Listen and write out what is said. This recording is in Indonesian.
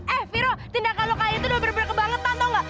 eh viro tindakan lo kali itu udah bener bener kebangetan tau gak